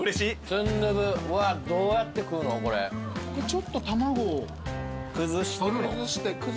ちょっと卵を崩して。